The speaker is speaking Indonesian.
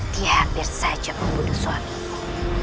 dia hampir saja membunuh suamiku